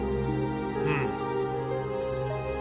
うん。